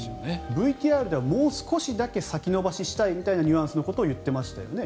ＶＴＲでは、もう少しだけ先延ばししたいみたいなニュアンスのことを言ってましたよね。